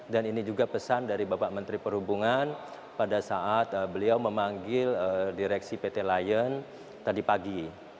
dan ini juga pesan dari bapak menteri perhubungan pada saat beliau memanggil direksi pt lion tadi pagi